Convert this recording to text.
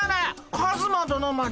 カズマどのまで？